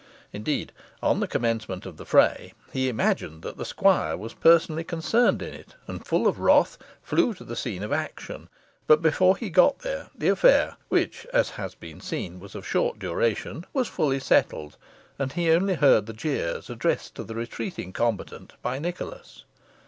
Indeed, on the commencement of the fray he imagined that the squire was personally concerned in it, and full of wroth, flew to the scene of action; but before he got there, the affair, which, as has been seen, was of short duration, was fully settled, and he only heard the jeers addressed to the retreating combatant by Nicholas.